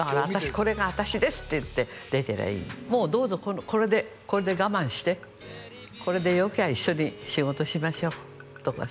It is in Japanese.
「これが私です」って言って出てりゃいいどうぞこれで我慢してこれでよきゃ一緒に仕事しましょうとかさ